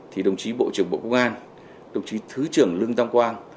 thì đồng chí bộ trưởng bộ công an đồng chí thứ trưởng lương tâm quang